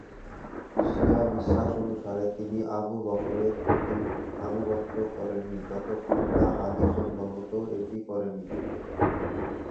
শিয়া বিশ্বাস অনুসারে, তিনি আবু বকরের প্রতি আনুগত্য করেননি, যতক্ষণ না আলি সম্ভবত এটি করেনি।